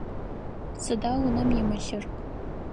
Сыда унэм имылъыр?